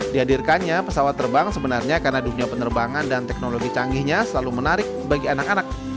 dihadirkannya pesawat terbang sebenarnya karena dunia penerbangan dan teknologi canggihnya selalu menarik bagi anak anak